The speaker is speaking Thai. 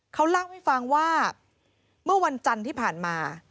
เขาเล่าให้ฟังว่าเมื่อวันจันทร์ที่ผ่านมา